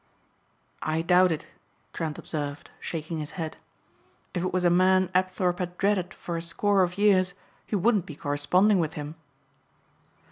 "I doubt it," Trent observed shaking his head. "If it was a man Apthorpe had dreaded for a score of years he wouldn't be corresponding with him."